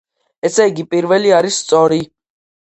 ესეიგი პირველი არის სწორი.